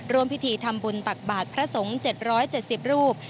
ร่วมพิธีทำบุญตักบาทพระสงฆ์๗๗๐รูป